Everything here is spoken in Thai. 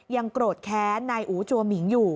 โกรธแค้นนายอู๋จัวหมิงอยู่